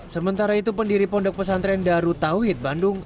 sementara itu pendiri pondok pesantren daru tauhid bandung